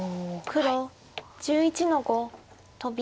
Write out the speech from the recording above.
黒１１の五トビ。